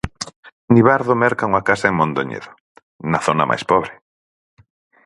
Nivardo merca unha casa en Mondoñedo, na zona máis pobre.